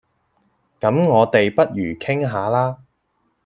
咁我哋不如傾吓啦